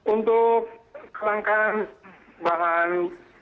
untuk kelangkaan bahan